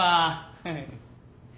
フフフ。